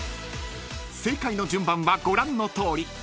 ［正解の順番はご覧のとおり］